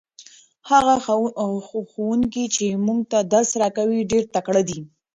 هغه ښوونکی چې موږ ته درس راکوي ډېر تکړه دی.